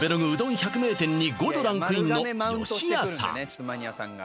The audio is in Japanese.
百名店に５度ランクインのよしやさん